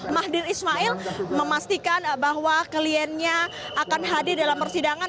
mahdin ismail memastikan bahwa kliennya akan hadir dalam persidangan